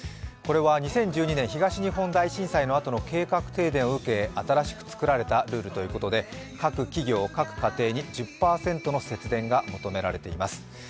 これは２０１２年東日本大震災のあとの計画停電を受け、新しく作られたルールということで各企業、各家庭に１０％の節電が求められています。